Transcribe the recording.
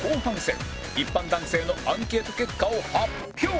一般男性のアンケート結果を発表